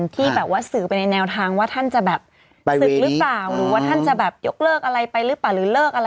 ที่สื่อไปในแนวทางว่าท่านจะสึกหรือเปล่าหรือว่าท่านจะยกเลิกอะไรหรือเปล่า